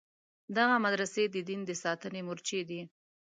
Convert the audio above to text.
دغه مدرسې د دین د ساتنې مورچې دي.